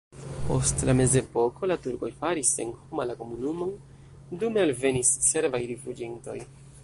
Post la mezepoko la turkoj faris senhoma la komunumon, dume alvenis serbaj rifuĝintoj.